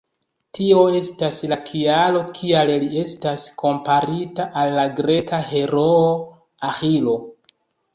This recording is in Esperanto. Tio estas la kialo kial li estas komparita al la greka heroo Aĥilo.